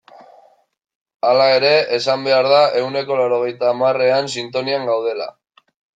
Hala ere, esan behar da ehuneko laurogeita hamarrean sintonian gaudela.